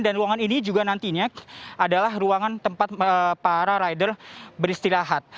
dan ruangan ini juga nantinya adalah ruangan tempat para rider beristirahat